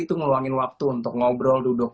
itu ngeluangin waktu untuk ngobrol duduk